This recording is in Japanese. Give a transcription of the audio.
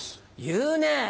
言うねぇ。